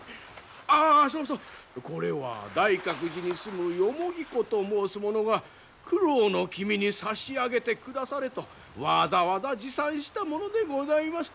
ああそうそうこれは大覚寺に住む子と申す者が九郎の君に差し上げてくだされとわざわざ持参したものでございます。